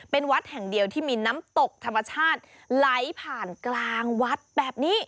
เป็นวัดแห่งเดียวที่มีน้ำตกธรรมชาติไหลผ่านกลางวัดแบบนี้